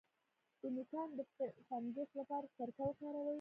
د نوکانو د فنګس لپاره سرکه وکاروئ